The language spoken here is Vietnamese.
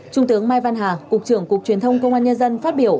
trung tướng mai văn hà cục trưởng cục truyền thông công an nhân dân phát biểu